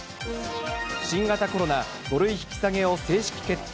新型コロナ、５類引き下げを正式決定。